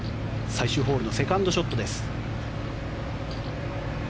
最終ホールのセカンドショット。